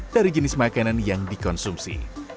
dari jenis makanan yang dikonsumsi